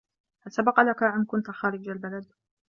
هل سبق لك ان كنت خارج البلد ؟